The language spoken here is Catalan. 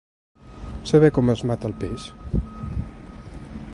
Saber com es mata el peix.